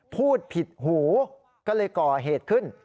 พูดผิดหูก็เลยก่อเหตุขึ้น